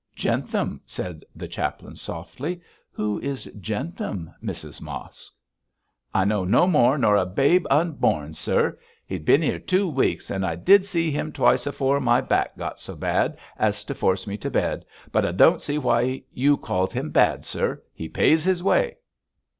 'Jentham,' said the chaplain, softly. 'Who is Jentham, Mrs Mosk?' 'I know no more nor a babe unborn, sir. He's bin 'ere two weeks, and I did see him twice afore my back got so bad as to force me to bed. But I don't see why you calls him bad, sir. He pays his way.'